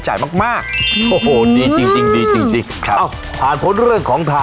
ฮือฮือฮือฮือ